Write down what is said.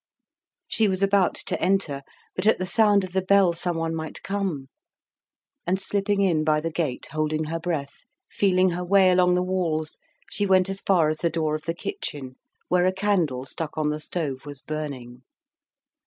She was about to enter, but at the sound of the bell someone might come, and slipping in by the gate, holding her breath, feeling her way along the walls, she went as far as the door of the kitchen, where a candle stuck on the stove was burning.